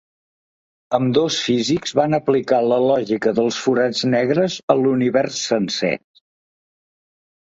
Ambdós físics van aplicar la lògica dels forats negres a l’univers sencer.